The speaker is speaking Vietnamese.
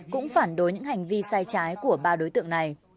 cũng phản đối những hành vi sai trái của ba đối tượng này